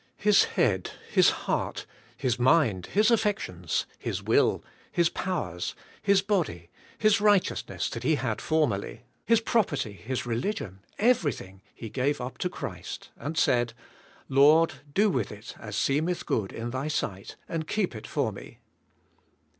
His head, his heart, his mind, his affections, his will, his powers, his body, his rig hteousness, that he had formerly, his pro perty, his religion, everything , he gave up to Christ, and said, "Lord, do with it as seemeth g^ood in Thy sig ht and keep it for me."